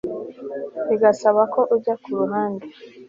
bigasaba ko ujya ku ruhande